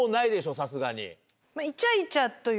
さすがに。